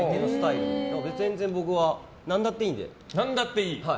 別に僕は何だっていいので。